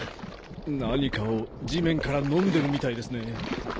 何かを地面から飲んでるみたいですね。